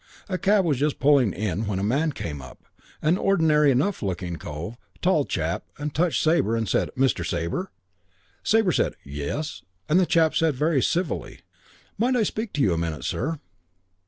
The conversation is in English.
A cab was just pulling in when a man came up, an ordinary enough looking cove, tall chap, and touched Sabre and said, 'Mr. Sabre?' Sabre said, 'Yes' and the chap said very civilly, 'Might I speak to you a minute, sir?'